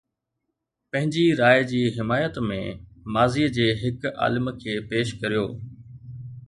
پنهنجي راءِ جي حمايت ۾ ماضيءَ جي هڪ عالم کي پيش ڪريو.